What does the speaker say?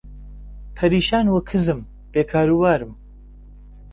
پەرێشان و کزم بێ کاروبارم